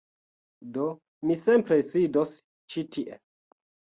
Do, mi simple sidos ĉi tie